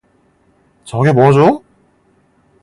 저게 뭐죠?